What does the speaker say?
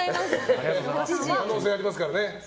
可能性ありますからね。